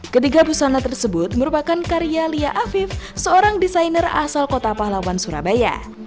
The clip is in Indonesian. ketiga busana tersebut merupakan karya lia afif seorang desainer asal kota pahlawan surabaya